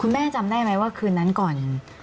แม่จำได้ไหมว่าคืนนั้นก่อน